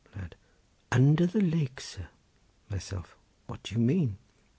Lad.—Under the lake, sir. Myself.—What do you mean?